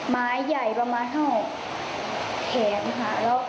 ไม้ใหญ่ประมาณเท่าแขนค่ะ